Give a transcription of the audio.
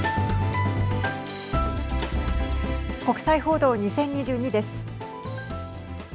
国際報道２０２２です。